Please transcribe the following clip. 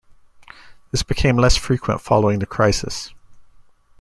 This became less frequent following the crisis.